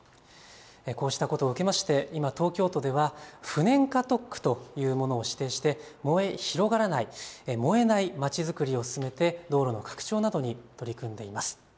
こうしたことを受けまして今、東京都では不燃化特区というものを指定して燃え広がらない、燃えないまちづくりを進めて道路の拡張などに取り組んでいます。